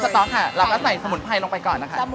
ต๊อกค่ะเราก็ใส่สมุนไพรลงไปก่อนนะคะ